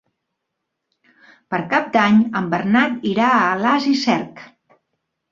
Per Cap d'Any en Bernat irà a Alàs i Cerc.